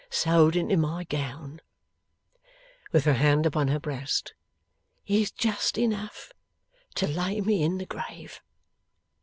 Sewed into my gown,' with her hand upon her breast, 'is just enough to lay me in the grave.